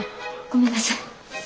ごめんなさい。